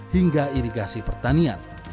hingga irigasi pertanian